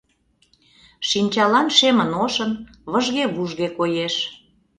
Шинчалан шемын-ошын, выжге-вужге коеш.